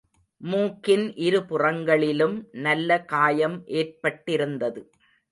மூக்கின் இருபுறங்களிலும் நல்ல காயம் ஏற்பட்டிருந்தது.